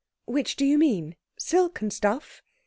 'Which do you mean? "Silk and Stuff"?'